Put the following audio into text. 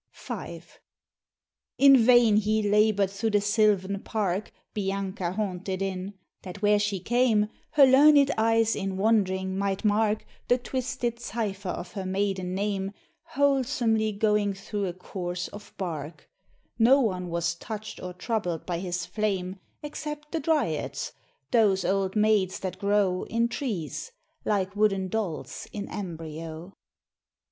V. In vain he labor'd thro' the sylvan park Bianca haunted in that where she came, Her learned eyes in wandering might mark The twisted cypher of her maiden name, Wholesomely going thro' a course of bark: No one was touched or troubled by his flame, Except the Dryads, those old maids that grow In trees, like wooden dolls in embryo.